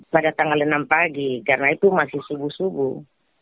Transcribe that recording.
pada tanggal enam pagi karena itu masih subuh subuh